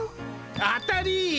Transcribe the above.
当たり！